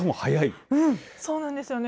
そうなんですよね。